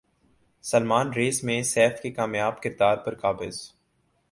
Salman race میں سیف کے کامیاب کردار پر قابض